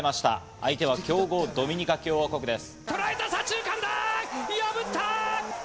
相手は強豪・ドミニカ共和国です。